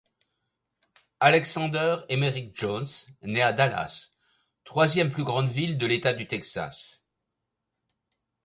Alexander Emerick Jones naît à Dallas, troisième plus grande ville de l'État du Texas.